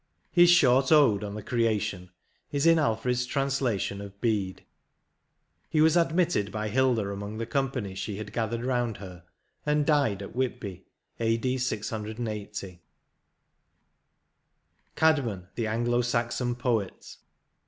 His short ode on the Creation is in Alfred's translation of Bede. He was ad mitted by Hilda among the company she had gathered round her, and died at Whitby, a.d. 680. 89 XIX. CAEDMON THE ANGLO SAXON POET.